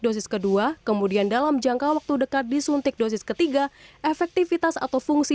dosis kedua kemudian dalam jangka waktu dekat disuntik dosis ketiga efektivitas atau fungsi